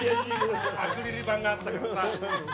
アクリル板があったからさ。